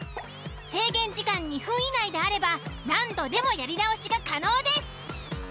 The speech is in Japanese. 制限時間２分以内であれば何度でもやり直しが可能です。